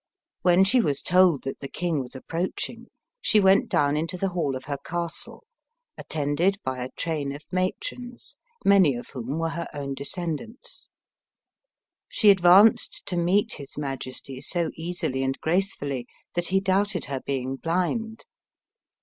When she was told that the king was approaching, she went down into the hall of her castle, attended by a train of matrons, many of whom were her own descendants. She advanced to meet his majesty so easily and gracefully that he doubted her being blind!